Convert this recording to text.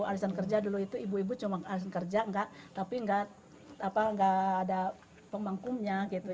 arisan kerja dulu itu ibu ibu cuma arisan kerja enggak tapi enggak apa enggak ada pembangkumnya gitu